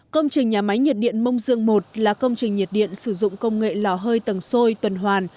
công trình nhà máy nhiệt điện mông dương i là công trình nhiệt điện sử dụng công nghệ lò hơi tầng xôi tuần hoàn